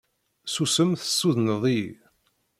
Susem tessudneḍ-iyi.